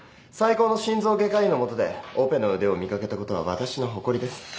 最高の心臓外科医のもとでオペの腕を磨けたことは私の誇りです。